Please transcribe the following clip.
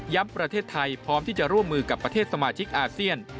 ประเทศไทยพร้อมที่จะร่วมมือกับประเทศสมาชิกอาเซียน